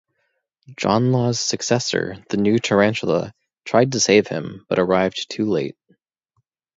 John Law's successor, the new Tarantula, tried to save him, but arrived too late.